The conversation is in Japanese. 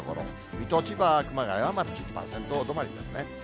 水戸、千葉、熊谷は１０％止まりですね。